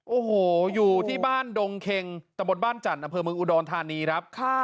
โอ้โหอยู่ที่บ้านดงเค็งตะบนบ้านจันทร์อำเภอเมืองอุดรธานีครับ